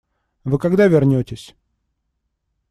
Вы когда вернетесь?